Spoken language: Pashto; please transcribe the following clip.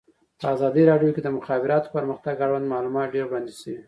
په ازادي راډیو کې د د مخابراتو پرمختګ اړوند معلومات ډېر وړاندې شوي.